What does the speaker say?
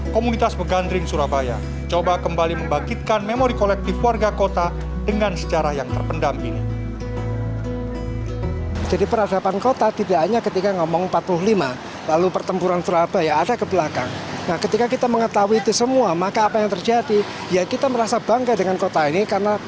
komunitas begandring surabaya coba kembali membangkitkan memori kolektif warga kota dengan sejarah yang terpendam ini